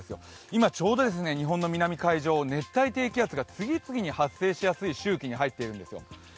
今ちょうど日本の南海上を熱帯低気圧が次々に発生しやすい周期に入っているんです。